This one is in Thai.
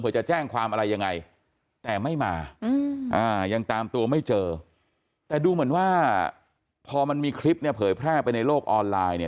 จะแจ้งความอะไรยังไงแต่ไม่มายังตามตัวไม่เจอแต่ดูเหมือนว่าพอมันมีคลิปเนี่ยเผยแพร่ไปในโลกออนไลน์เนี่ย